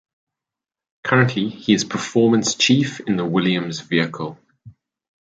Currently, he is performance chief in the Williams vehicle.